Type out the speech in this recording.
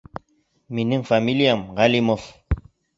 Минең фамилиям Ғәлимов.